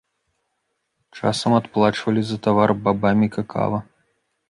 Часам адплачвалі за тавар бабамі какава.